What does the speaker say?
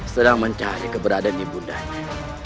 sedang mencari keberadaan ibundanya